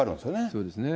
そうですね。